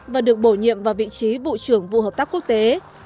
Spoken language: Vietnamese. và được bổ nhiệm vào vị trí vụ trưởng vụ hợp tác quốc tế